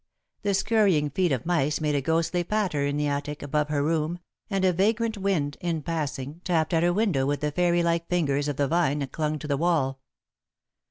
The scurrying feet of mice made a ghostly patter in the attic, above her room, and a vagrant wind, in passing, tapped at her window with the fairy like fingers of the vine that clung to the wall.